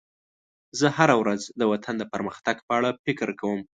زه هره ورځ د وطن د پرمختګ په اړه فکر کوم.